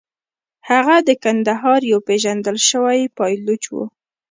هغه د کندهار یو پېژندل شوی پایلوچ و.